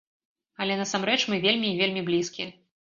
Але насамрэч мы вельмі і вельмі блізкія.